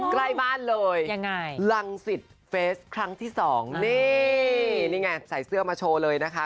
ใกล้บ้านเลยยังไงลังศิษย์เฟสครั้งที่สองนี่นี่ไงใส่เสื้อมาโชว์เลยนะคะ